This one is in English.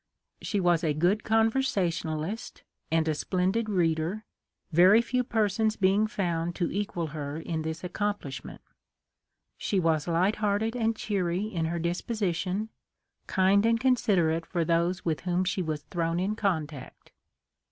She was a good con versationalist and a splendid reader, very few per sons being found to equal her in this accomplish ment. She was light hearted and cheery in her disposition, kind and considerate for those with whom she was thrown in contact.